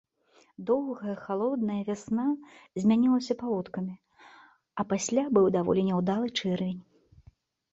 Доўгая халодная вясна змянілася паводкамі, а пасля быў даволі няўдалы чэрвень.